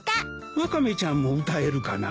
ワカメちゃんも歌えるかな？